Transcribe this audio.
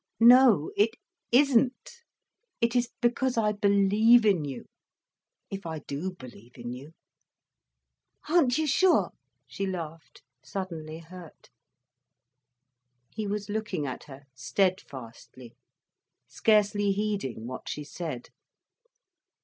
"No it isn't. It is because I believe in you—if I do believe in you." "Aren't you sure?" she laughed, suddenly hurt. He was looking at her steadfastly, scarcely heeding what she said.